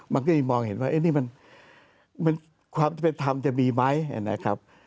มันก็เลยมองเห็นว่านี่มันความเป็นธรรมจะมีไหมนะครับ